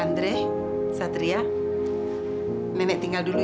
andre satria nenek tinggal dulu